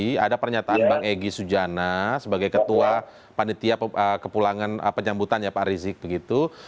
ketika saya membaca pernyataan bang egy sujana sebagai ketua panitia kepulangan penyambutannya pak rizik begitu